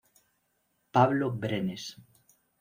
Pablo Brenes